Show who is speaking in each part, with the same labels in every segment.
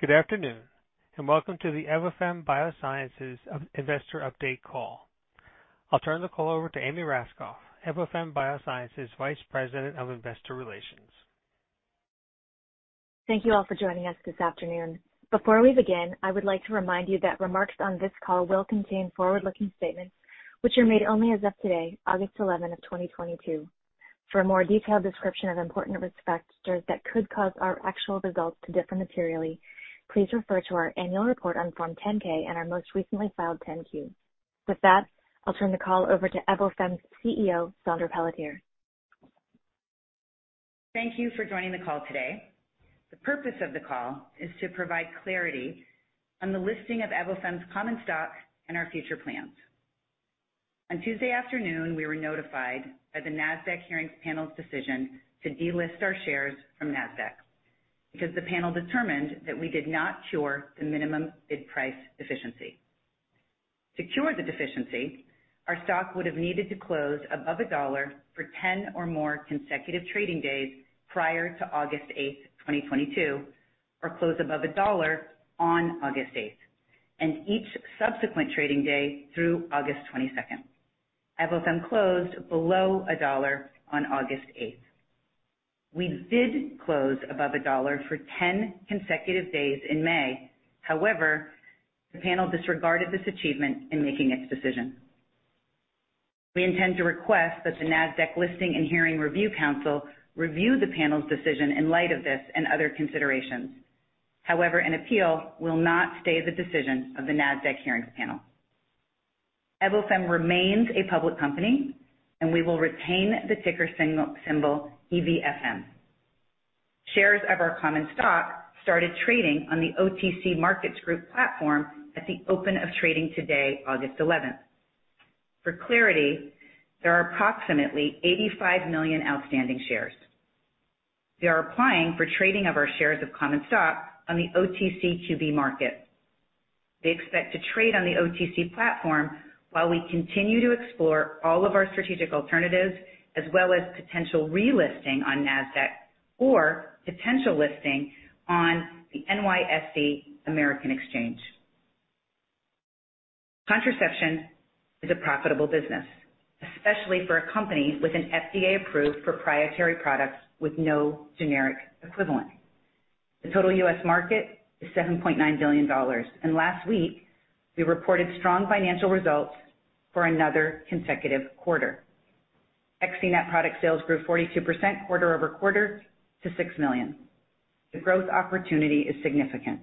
Speaker 1: Good afternoon, and welcome to the Evofem Biosciences Investor Update Call. I'll turn the call over to Amy Raskopf, Evofem Biosciences Vice President of Investor Relations.
Speaker 2: Thank you all for joining us this afternoon. Before we begin, I would like to remind you that remarks on this call will contain forward-looking statements, which are made only as of today, August 11, 2022. For a more detailed description of important risk factors that could cause our actual results to differ materially, please refer to our annual report on Form 10-K and our most recently filed 10-Q. With that, I'll turn the call over to Evofem's CEO, Saundra Pelletier.
Speaker 3: Thank you for joining the call today. The purpose of the call is to provide clarity on the listing of Evofem's common stock and our future plans. On Tuesday afternoon, we were notified by the Nasdaq Hearings Panel's decision to delist our shares from Nasdaq because the panel determined that we did not cure the minimum bid price deficiency. To cure the deficiency, our stock would have needed to close above $1 for 10 or more consecutive trading days prior to August 8, 2022 or close above $1 on August 8 and each subsequent trading day through August 22. Evofem closed below $1 on August 8. We did close above $1 for 10 consecutive days in May. However, the panel disregarded this achievement in making its decision. We intend to request that the Nasdaq Listing and Hearing Review Council review the panel's decision in light of this and other considerations. However, an appeal will not stay the decision of the Nasdaq Hearings Panel. Evofem remains a public company, and we will retain the ticker symbol EVFM. Shares of our common stock started trading on the OTC Markets Group platform at the open of trading today, August 11. For clarity, there are approximately 85 million outstanding shares. We are applying for trading of our shares of common stock on the OTCQB market. They expect to trade on the OTC platform while we continue to explore all of our strategic alternatives as well as potential relisting on Nasdaq or potential listing on the NYSE American Exchange. Contraception is a profitable business, especially for a company with an FDA-approved proprietary product with no generic equivalent. The total US market is $7.9 billion, and last week we reported strong financial results for another consecutive quarter. Evofem product sales grew 42% quarter-over-quarter to $6 million. The growth opportunity is significant.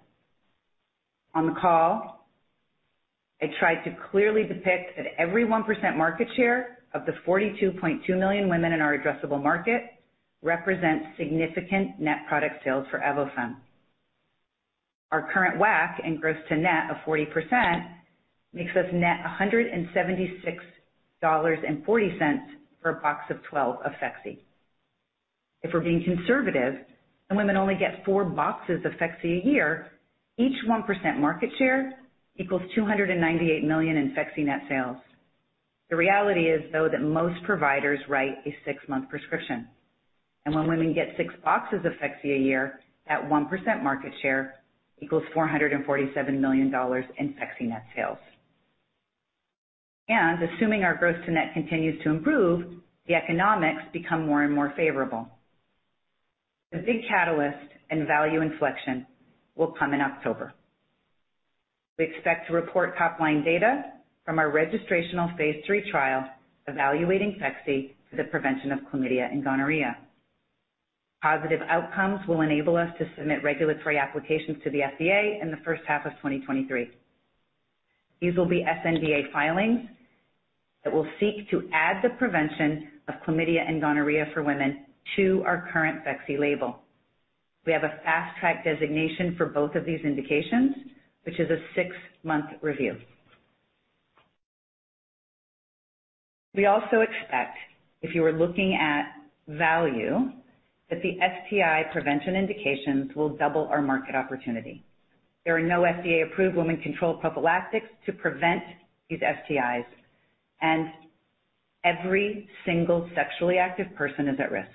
Speaker 3: On the call, I tried to clearly depict that every 1% market share of the 42.2 million women in our addressable market represents significant net product sales for Evofem. Our current WAC and gross-to-net of 40% makes us net $176.40 for a box of 12 of Phexxi. If we're being conservative and women only get four boxes of Phexxi a year, each 1% market share equals $298 million in Phexxi net sales. The reality is, though, that most providers write a six-month prescription, and when women get six boxes of Phexxi a year at 1% market share equals $447 million in Phexxi net sales. Assuming our gross-to-net continues to improve, the economics become more and more favorable. The big catalyst and value inflection will come in October. We expect to report top-line data from our registrational phase III trial evaluating Phexxi for the prevention of chlamydia and gonorrhea. Positive outcomes will enable us to submit regulatory applications to the FDA in the first half of 2023. These will be sNDA filings that will seek to add the prevention of chlamydia and gonorrhea for women to our current Phexxi label. We have a Fast Track designation for both of these indications, which is a six-month review. We also expect, if you are looking at value, that the STI prevention indications will double our market opportunity. There are no FDA-approved women-controlled prophylactics to prevent these STIs, and every single sexually active person is at risk.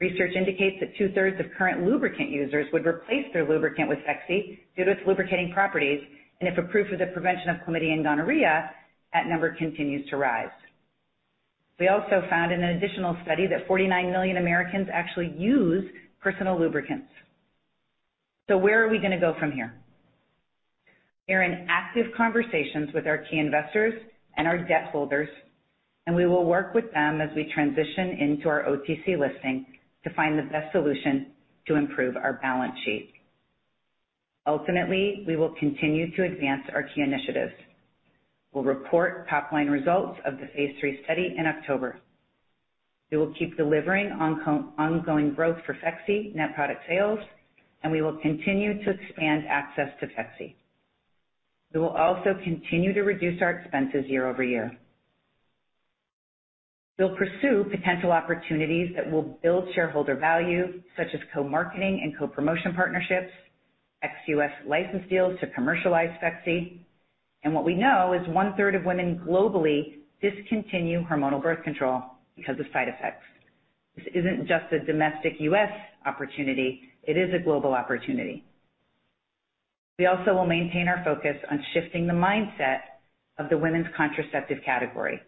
Speaker 3: Research indicates that two-thirds of current lubricant users would replace their lubricant with Phexxi due to its lubricating properties. If approved for the prevention of chlamydia and gonorrhea, that number continues to rise. We also found in an additional study that 49 million Americans actually use personal lubricants. Where are we gonna go from here? We're in active conversations with our key investors and our debt holders, and we will work with them as we transition into our OTC listing to find the best solution to improve our balance sheet. Ultimately, we will continue to advance our key initiatives. We'll report top-line results of the phase III study in October. We will keep delivering ongoing growth for Phexxi net product sales, and we will continue to expand access to Phexxi. We will also continue to reduce our expenses year-over-year. We'll pursue potential opportunities that will build shareholder value, such as co-marketing and co-promotion partnerships, ex U.S. license deals to commercialize Phexxi. What we know is one-third of women globally discontinue hormonal birth control because of side effects. This isn't just a domestic U.S. opportunity, it is a global opportunity. We also will maintain our focus on shifting the mindset of the women's contraceptive category.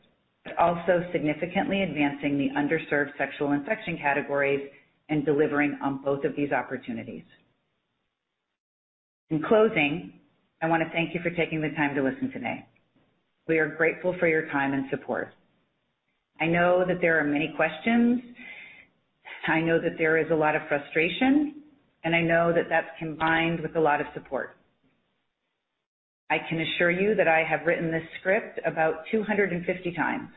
Speaker 3: Also significantly advancing the underserved sexual infection categories and delivering on both of these opportunities. In closing, I wanna thank you for taking the time to listen today. We are grateful for your time and support. I know that there are many questions. I know that there is a lot of frustration, and I know that that's combined with a lot of support. I can assure you that I have written this script about 250 times.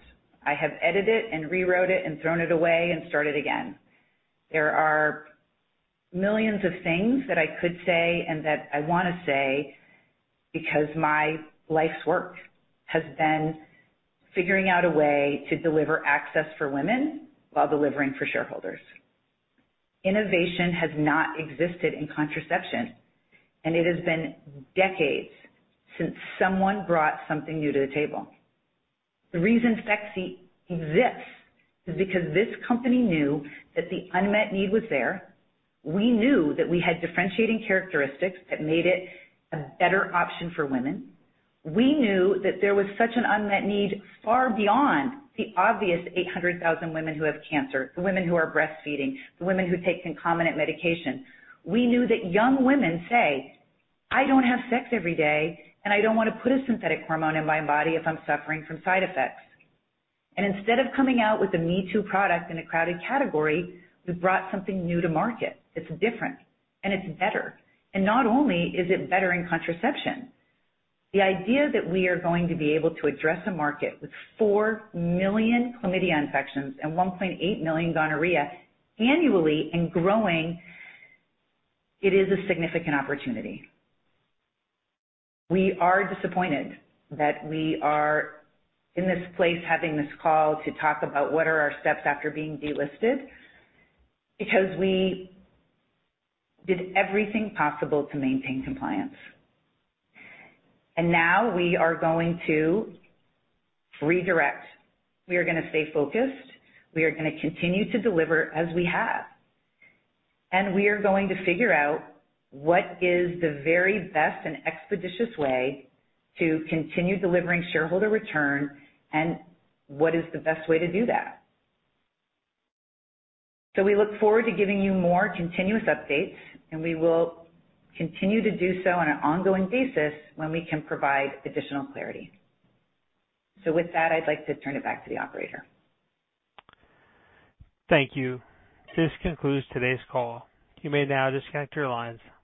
Speaker 3: I have edited it and rewrote it and thrown it away and started again. There are millions of things that I could say and that I wanna say because my life's work has been figuring out a way to deliver access for women while delivering for shareholders. Innovation has not existed in contraception, and it has been decades since someone brought something new to the table. The reason Phexxi exists is because this company knew that the unmet need was there. We knew that we had differentiating characteristics that made it a better option for women. We knew that there was such an unmet need far beyond the obvious 800,000 women who have cancer, the women who are breastfeeding, the women who take concomitant medication. We knew that young women say, "I don't have sex every day, and I don't wanna put a synthetic hormone in my body if I'm suffering from side effects." Instead of coming out with a me-too product in a crowded category, we've brought something new to market. It's different and it's better. Not only is it better in contraception, the idea that we are going to be able to address a market with 4 million chlamydia infections and 1.8 million gonorrhea annually and growing, it is a significant opportunity. We are disappointed that we are in this place having this call to talk about what are our steps after being delisted, because we did everything possible to maintain compliance. Now we are going to redirect. We are gonna stay focused. We are gonna continue to deliver as we have. We are going to figure out what is the very best and expeditious way to continue delivering shareholder return and what is the best way to do that. We look forward to giving you more continuous updates, and we will continue to do so on an ongoing basis when we can provide additional clarity. With that, I'd like to turn it back to the operator.
Speaker 1: Thank you. This concludes today's call. You may now disconnect your lines.